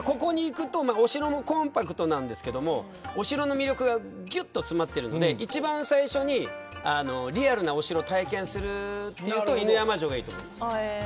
ここに行くとお城もコンパクトなんですけどお城の魅力がぎゅっと詰まっているんで一番最初にリアルなお城を体験するなら犬山城がいいと思います。